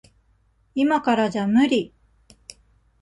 いまからじゃ無理。